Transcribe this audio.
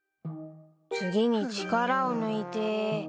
次に力を抜いて。